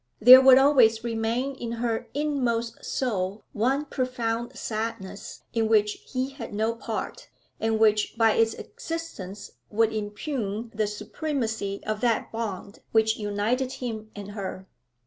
There would always remain in her inmost soul one profound sadness in which he had no part, and which by its existence would impugn the supremacy of that bond which united him and her.